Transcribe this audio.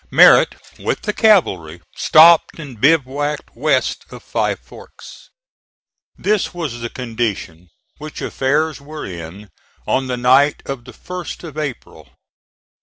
Merritt, with the cavalry, stopped and bivouacked west of Five Forks. This was the condition which affairs were in on the night of the 1st of April.